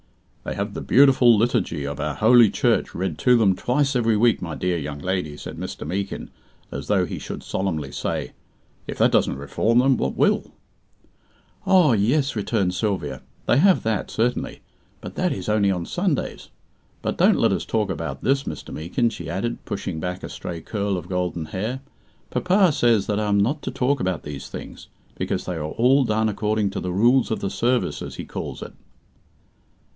"They have the beautiful Liturgy of our Holy Church read to them twice every week, my dear young lady," said Mr. Meekin, as though he should solemnly say, "if that doesn't reform them, what will?" "Oh, yes," returned Sylvia, "they have that, certainly; but that is only on Sundays. But don't let us talk about this, Mr. Meekin," she added, pushing back a stray curl of golden hair. "Papa says that I am not to talk about these things, because they are all done according to the Rules of the Service, as he calls it."